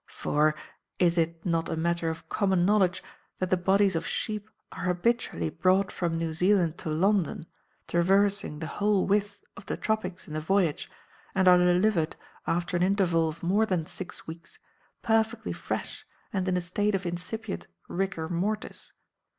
For, is it, not a matter of common knowledge that the bodies of sheep are habitually brought from New Zealand to London, traversing the whole width of the Tropics in the voyage, and are delivered, after an interval of more than six weeks, perfectly fresh and in a state of incipient rigor mortis?